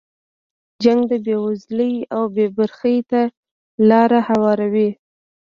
جنګ د بې وزلۍ او بې برخې ته لاره هواروي.